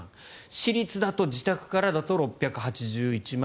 私立だと自宅からだと６８１万。